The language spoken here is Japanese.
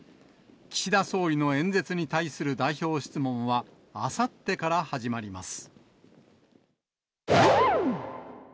岸田総理の演説に対する代表質問は、あさってから始まります。